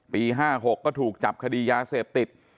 ๕๖ก็ถูกจับคดียาเสพติด